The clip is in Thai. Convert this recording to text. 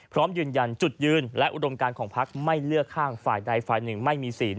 พร้อมยืนยันจุดยืนและอุดมการของพักไม่เลือกข้างฝ่ายใดฝ่ายหนึ่งไม่มี๔